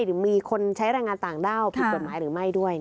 หรือมีคนใช้แรงงานต่างด้าวผิดกฎหมายหรือไม่ด้วย